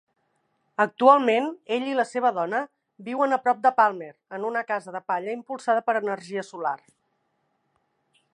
Actualment, ell i la seva dona viuen a prop de Palmer en una casa de palla impulsada per energia solar.